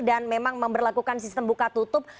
dan memang memperlakukan sistem buka tutup